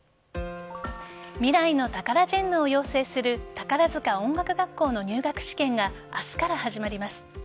未来のタカラジェンヌを養成する宝塚音楽学校の入学試験が明日から始まります。